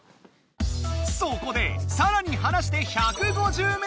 そこでさらにはなして１５０ｍ！